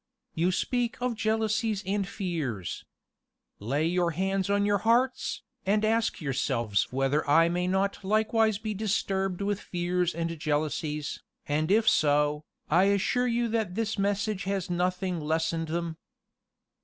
You speak of jealousies and fears. Lay your hands on your hearts, and ask yourselves whether I may not likewise be disturbed with fears and jealousies, and if so, I assure you that this message has nothing lessened them.